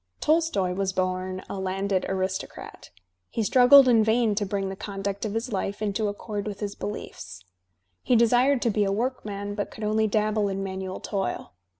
Tolstoy was bom a landed aristocrat. He struggled in vain to bring the conduct of his life into accord with his beliefs. He desired to be a workman, but could only dabble in manual toil.